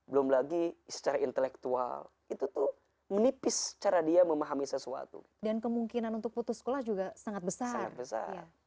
belum lagi secara intelektual itu tuh menipis cara dia memahami sesuatu dan kemungkinan untuk putus sekolah juga sangat besar besar